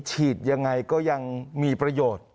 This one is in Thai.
ฉีดยังไงก็ยังมีประโยชน์